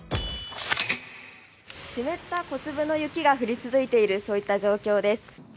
湿った小粒の雪が降り続いている、そういった状況です。